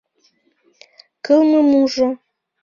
Кылмымужо.